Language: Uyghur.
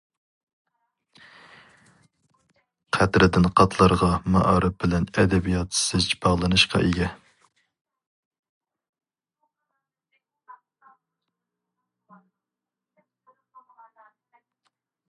قەترىدىن قاتلارغا مائارىپ بىلەن ئەدەبىيات زىچ باغلىنىشقا ئىگە.